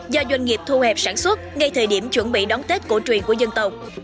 do doanh nghiệp thu hẹp sản xuất ngay thời điểm chuẩn bị đón tết cổ truyền của dân tộc